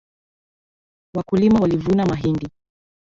Wakulima walivuna mahindi